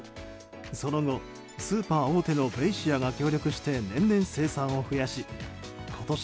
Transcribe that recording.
その後、スーパー大手のベイシアが協力して年々、生産を増やし今年